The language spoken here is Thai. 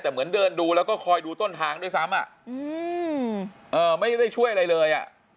แต่เหมือนเดินดูแล้วก็คอยดูต้นทางด้วยซ้ำไม่ได้ช่วยอะไรเลยอ่ะ